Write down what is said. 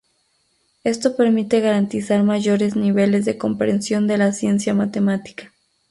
Esto permite garantizar mayores niveles de comprensión de la ciencia matemática.